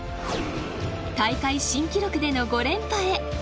大会新記録での５連覇へ。